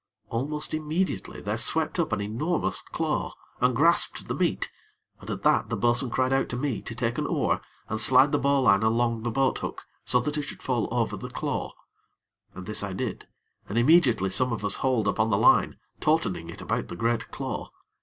Almost immediately, there swept up an enormous claw, and grasped the meat, and at that, the bo'sun cried out to me to take an oar and slide the bowline along the boat hook, so that it should fall over the claw, and this I did, and immediately some of us hauled upon the line, taughtening it about the great claw.